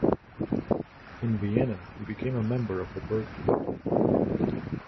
In Vienna, he became a member of the Burgtheater.